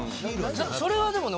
それはでもね